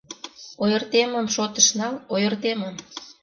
— Ойыртемым шотыш нал, ойыртемым.